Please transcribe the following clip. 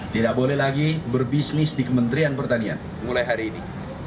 tidak boleh lagi berbisnis di kementerian pertanian mulai hari ini